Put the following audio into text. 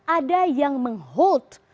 ada yang menghut